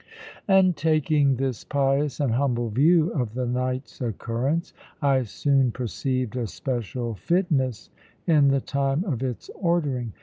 And taking this pious and humble view of the night's occurrence, I soon perceived a special fitness in the time of its ordering.